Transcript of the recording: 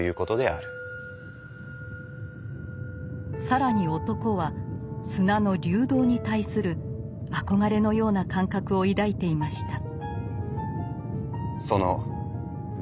更に男は砂の「流動」に対する憧れのような感覚を抱いていました。